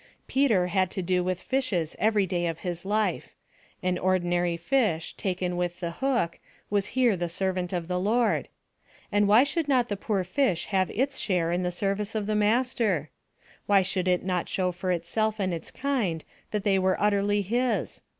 Peter had to do with fishes every day of his life: an ordinary fish, taken with the hook, was here the servant of the Lord and why should not the poor fish have its share in the service of the Master? Why should it not show for itself and its kind that they were utterly his?